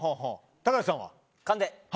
高橋さんは。